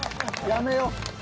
やめよう。